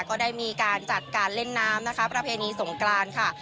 ก็ได้มีการจัดการเล่นน้ำนะคะประเพณีสงกรานค่ะ